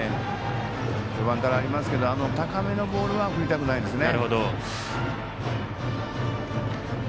序盤からありますけど高めのボールは振りたくないですね。